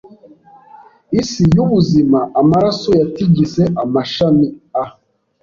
Isi yubuzima amaraso yatigise Amashami a